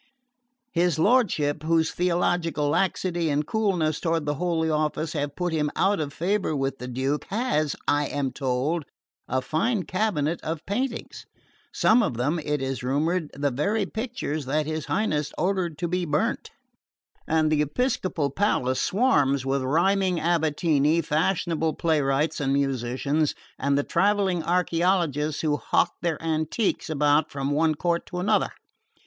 His lordship, whose theological laxity and coolness toward the Holy Office have put him out of favour with the Duke, has, I am told, a fine cabinet of paintings (some of them, it is rumoured, the very pictures that his Highness ordered to be burnt) and the episcopal palace swarms with rhyming abatini, fashionable playwrights and musicians, and the travelling archeologists who hawk their antiques about from one court to another.